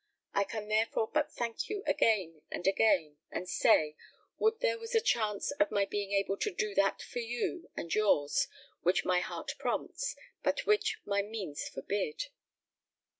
I can therefore but thank you again and again, and say, would there was a chance of my being able to do that for you and yours which my heart prompts, but which my means forbid."